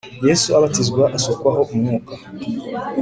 Yesu abatizwa asukwaho umwuka